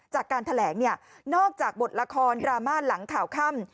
จากการแถลงเนี่ยนอกจากบทละครดราม่าหลังข่าวค่ำ